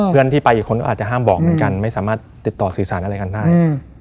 เพื่อนที่ไปอีกคนก็อาจจะห้ามบอกเหมือนกันไม่สามารถติดต่อสื่อสารอะไรกันได้อืม